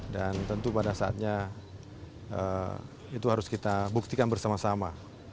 dan tentu pada saatnya itu harus kita buktikan bersama sama